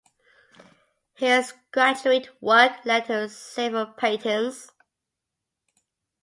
His graduate work led to several patents.